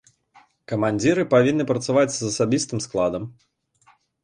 Камандзіры павінны працаваць з асабістым складам.